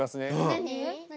何？